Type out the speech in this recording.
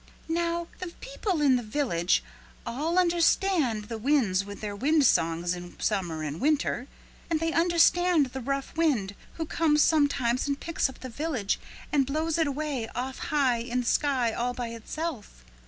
"Now the people in the village all understand the winds with their wind songs in summer and winter. And they understand the rough wind who comes sometimes and picks up the village and blows it away off high in the sky all by itself.